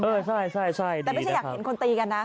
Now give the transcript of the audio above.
แต่ไม่ใช่อยากเห็นคนตีกันนะ